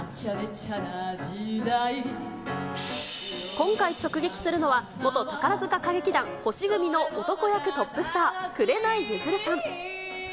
今回、直撃するのは、元宝塚歌劇団、星組の男役トップスター、紅ゆずるさん。